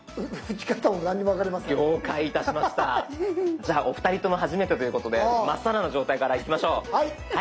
じゃあお二人とも初めてということで真っさらの状態からいきましょう。